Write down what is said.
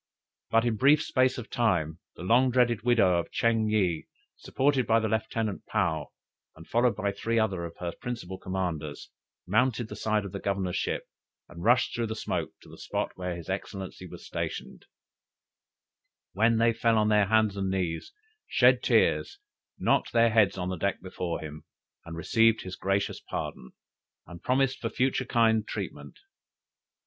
But in brief space of time, the long dreaded widow of Ching yih, supported by her Lieutenant Paou, and followed by three other of her principal commanders, mounted the side of the governor's ship, and rushed through the smoke to the spot where his excellency was stationed; where they fell on their hands and knees, shed tears, knocked their heads on the deck before him, and received his gracious pardon, and promised for future kind treatment.